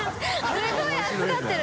すごい熱がってる！